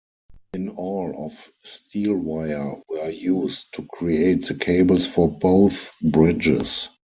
In all of steel wire were used to create the cables for both bridges.